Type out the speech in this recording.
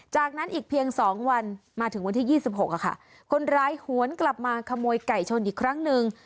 จากนั้นอีกเพียง๒วันมาถึงวันที่๒๖ค่ะคนร้ายหวนกลับมาขโมยไก่ชนอีกครั้งหนึ่ง